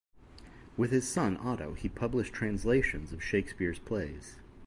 With his son, Otto, he published translations of Shakespeare's plays.